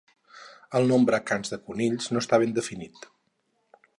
El nombre cans de conills no està ben definit.